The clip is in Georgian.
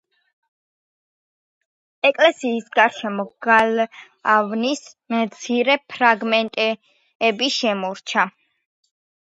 ეკლესიის გარშემო გალავნის მცირე ფრაგმენტები შემორჩა.